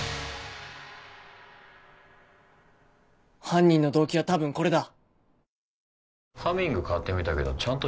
犯人の動機は多分これだ。